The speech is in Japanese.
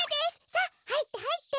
さあはいってはいって。